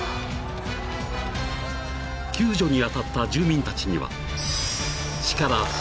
［救助に当たった住民たちには］